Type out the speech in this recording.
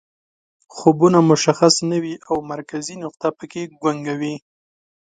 خوبونه مشخص نه وي او مرکزي نقطه پکې ګونګه وي